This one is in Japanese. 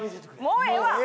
もうええわ！